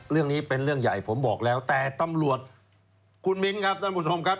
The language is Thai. เรื่องนี้เป็นเรื่องใหญ่ผมบอกแล้วแต่ตำรวจคุณมิ้นครับท่านผู้ชมครับ